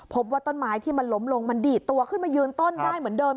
พบว่าต้นไม้ที่มันล้มลงมันดีดตัวขึ้นมายืนต้นได้เหมือนเดิม